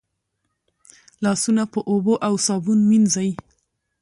لاسونه په اوبو او صابون مینځئ.